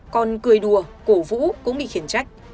còn cười đùa cổ vũ cũng bị khiển trách